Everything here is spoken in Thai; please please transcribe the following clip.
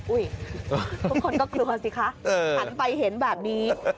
ทุกคนก็กลัวสิคะหันไปเห็นแบบนี้